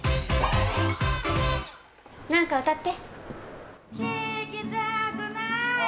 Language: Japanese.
何か歌って。